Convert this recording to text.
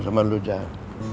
sama lu jal